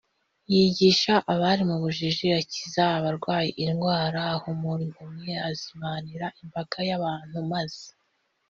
yigisha abari mu bujiji, akiza abarwayi indwara, ahumura impumyi, azimanira imbaga y’abantu, maze